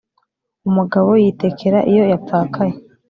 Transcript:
Umugabo yitekera iyo yapfakaye